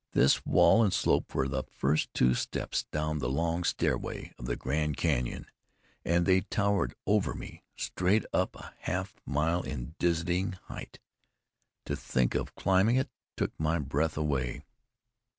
This wall and slope were the first two steps down the long stairway of the Grand Canyon, and they towered over me, straight up a half mile in dizzy height. To think of climbing it took my breath away.